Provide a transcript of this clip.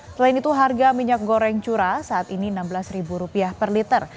selain itu harga minyak goreng curah saat ini rp enam belas per liter